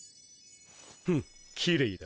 フッきれいだ。